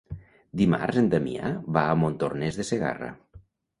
Dimarts en Damià va a Montornès de Segarra.